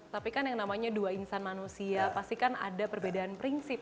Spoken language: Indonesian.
tapi kan yang namanya dua insan manusia pasti kan ada perbedaan prinsip